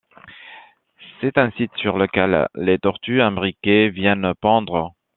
C'est un site sur lequel les tortues imbriquées viennent pondre.